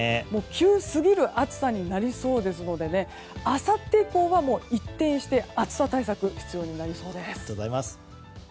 急すぎる暑さになりそうですのであさって以降は一転して暑さ対策が必要になりそうです。